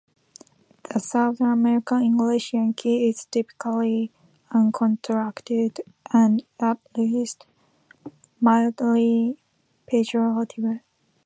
The Southern American English "Yankee" is typically uncontracted and at least mildly pejorative.